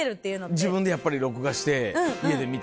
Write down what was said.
自分でやっぱり録画して家で見て。